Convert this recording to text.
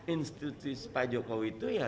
institusi pak jokowi itu ya